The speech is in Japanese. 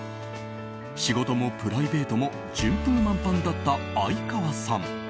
仕事もプライベートも順風満帆だった相川さん。